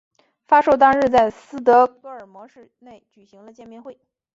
发售当日在斯德哥尔摩市内举行了见面会。